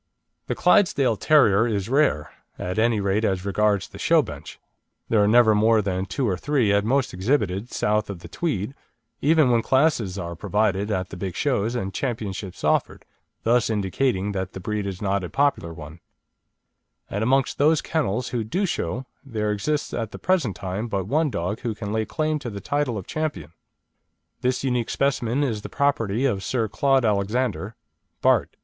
The Clydesdale Terrier is rare, at any rate as regards the show bench; there are never more than two or three at most exhibited south of the Tweed, even when classes are provided at the big shows and championships offered, thus indicating that the breed is not a popular one; and amongst those kennels who do show there exists at the present time but one dog who can lay claim to the title of champion; this unique specimen is the property of Sir Claud Alexander, Bart.